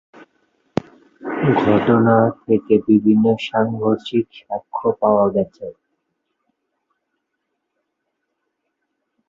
ঘটনা থেকে বিভিন্ন সাংঘর্ষিক সাক্ষ্য পাওয়া গেছে।